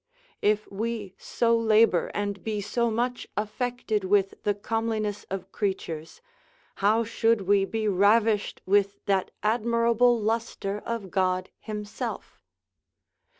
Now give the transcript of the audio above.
If we so labour and be so much affected with the comeliness of creatures, how should we be ravished with that admirable lustre of God himself?